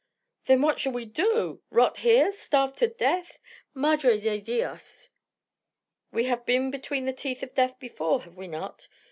"Then what shall we do? Rot here? Starve to death? Madre de dios!" "We have been between the teeth of death before, have we not?